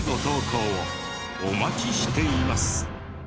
お待ちしています。